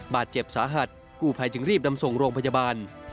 บาดเจ็บสาหัสกู้ภัยจึงรีบนำส่งโรงพยาบาล